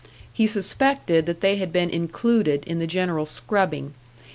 He suspected that they had been included in the general scrubbing.